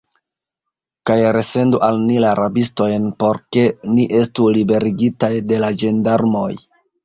Kaj resendu al ni la rabistojn, por ke ni estu liberigitaj de la ĝendarmoj!